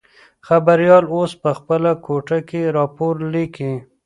خبریال اوس په خپله کوټه کې راپور لیکي.